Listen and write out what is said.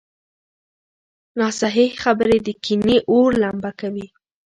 ناصحيح خبرې د کینې اور لمبه کوي.